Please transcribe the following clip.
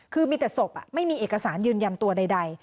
คือมีแต่ศพไม่มีเอกสารยืนยันตัวใด